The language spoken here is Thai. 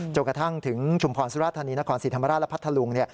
จนกระทั่งถึงชุมพรสุราธานีนครศรีธรรมราชและพัทธลุง